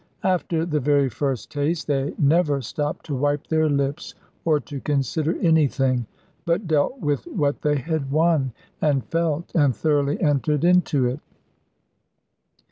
After the very first taste, they never stopped to wipe their lips, or to consider anything, but dealt with what they had won, and felt, and thoroughly entered into it.